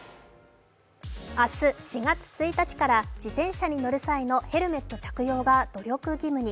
明日４月１日から自転車に乗る際のヘルメット着用が努力義務に。